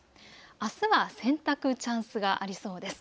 あすは洗濯チャンスがありそうです。